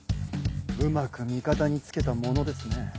うまく味方につけたものですね。